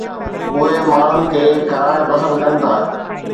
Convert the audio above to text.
اهي ماڻهن کي کارائڻ پسند ڪن ٿا